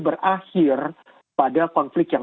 berakhir pada konflik yang